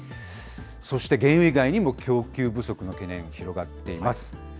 そして原油以外にも供給不足の懸念、広がっています。